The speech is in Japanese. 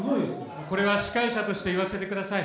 これは司会者として言わせてください。